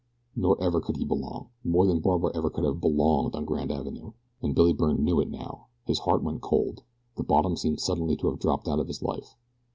Nor ever could he belong, more than Barbara ever could have "belonged" on Grand Avenue. And Billy Byrne knew it now. His heart went cold. The bottom seemed suddenly to have dropped out of his life.